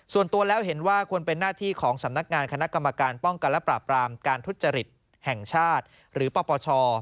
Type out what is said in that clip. ส่วนตัวแล้วเห็นว่าควรเป็นหน้าที่ของสำนักงานคณะกรรมการป้องกันและปราบรามการทุจริตแห่งชาติหรือปปช